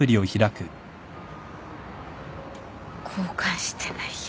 交換してないや。